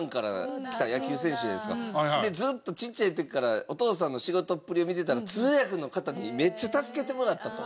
ずっとちっちゃい時からお父さんの仕事っぷりを見てたら通訳の方にめっちゃ助けてもらったと。